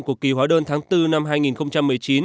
của kỳ hóa đơn tháng bốn năm hai nghìn một mươi chín